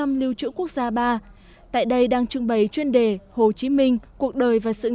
mr kurt zubach đã anhu cho rất nhiều tiềnagues